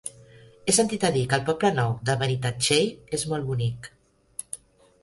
He sentit a dir que el Poble Nou de Benitatxell és molt bonic.